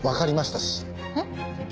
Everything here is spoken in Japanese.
えっ？